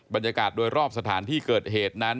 บรรยากาศโดยรอบสถานที่เกิดเหตุนั้น